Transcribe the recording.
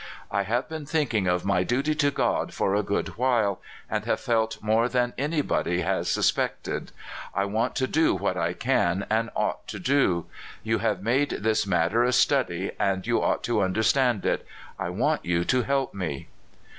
" I have been thinking of my duty to God for a good while, and have felt more than anybody has sus pected. I want to do what I can and ought to do. You have made this matter a study, and you ought to understand it. I want you to help me."